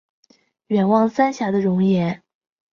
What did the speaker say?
远望三峡的容颜